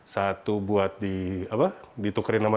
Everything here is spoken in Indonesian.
satu buat di apa ditukerin nama saya